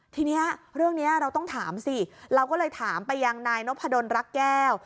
ทีนี้เรื่องนี้เราต้องถามสิเราก็เลยถามไปยังนายนพดลรักแก้ว